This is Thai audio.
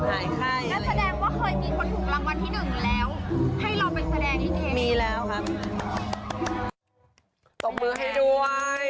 ตกมือให้ด้วย